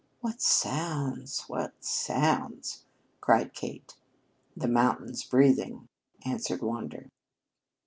"What sounds! What sounds!" cried Kate. "The mountains breathing," answered Wander.